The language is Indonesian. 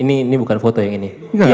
ini bukan foto yang ini